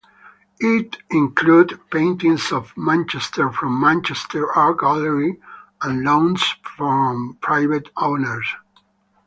It included paintings of Manchester from Manchester Art Gallery and loans from private owners.